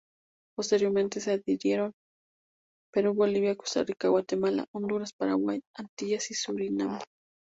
Posteriormente se adhirieron: Perú, Bolivia, Costa Rica, Guatemala, Honduras, Paraguay, Antillas y Surinam.